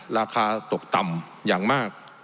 ราคาตกต่ำอย่างมาก